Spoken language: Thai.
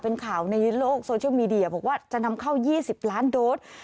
เป็นข่าวในโลกโซเชียลมีเดียบอกว่าจะนำเข้า๒๐ล้านโดส